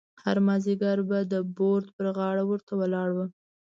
هر مازیګر به د بورد پر غاړه ورته ولاړ وم.